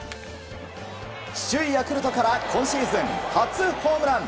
首位ヤクルトから今シーズン初ホームラン。